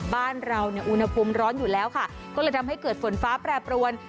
บ้านเราเนี่ยอุณหภูมิร้อนอยู่แล้วค่ะก็เลยทำให้เกิดฝนฟ้าแปรปรวน